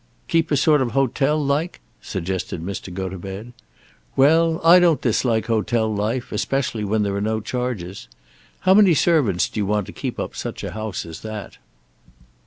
"Keep a sort of hotel like?" suggested Mr. Gotobed. "Well, I don't dislike hotel life, especially when there are no charges. How many servants do you want to keep up such a house as that?"